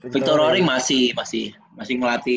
victor roaring masih pasti masih ngelatih